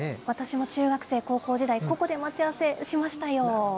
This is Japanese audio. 私も中学生、高校時代、ここで待ち合わせしましたよ。